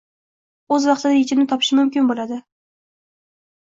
— o‘z vaqtida yechimini topishi mumkin bo‘ladi.